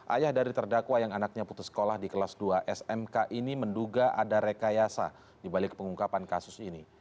ayah dari terdakwa yang anaknya putus sekolah di kelas dua smk ini menduga ada rekayasa dibalik pengungkapan kasus ini